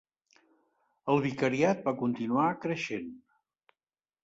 El vicariat va continuar creixent.